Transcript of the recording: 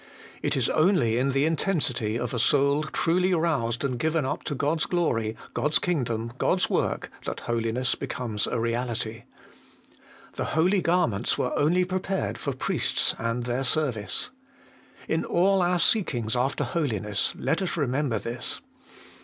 It is only in the intensity of a soul truly roused and given up to God's glory, God's THE UNCTION FROM THE HOLY ONE. 265 kingdom, God's work, that holiness becomes a reality. The holy garments were only prepared for priests and their service. In all our seekings after holi ness, let us remember this.